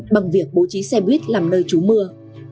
bằng việc bố trí xe buýt làm nơi trú mưa